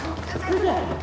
先生